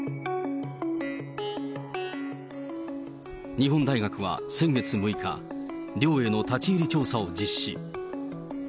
日本大学は先月６日、寮への立ち入り調査を実施。